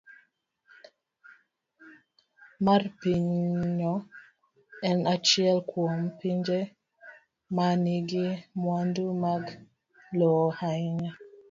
C. mar Pinyno en achiel kuom pinje ma nigi mwandu mag lowo ahinya.